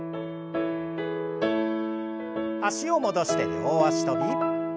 脚を戻して両脚跳び。